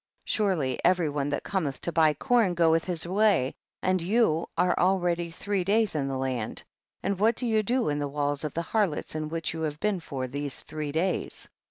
25. Surely every one that cometh to buy corn goeth his way, and you are already three days in the land, and what do you do in the walls of harlots in which you have been for these three days